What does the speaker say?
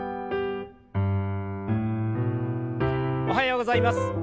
おはようございます。